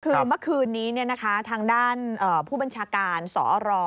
คือเมื่อคืนนี้ทางด้านผู้บัญชาการสอร